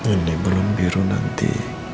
ini belum biru nanti